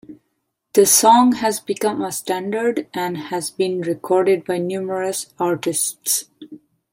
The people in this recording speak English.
The song has become a standard and has been recorded by numerous artists.